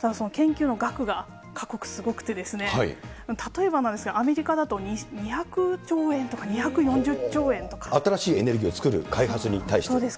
ただその研究の額が、各国すごくて、例えばなんですが、アメリカだと２００兆円とか、２４０兆円新しいエネルギーを作る、そうです。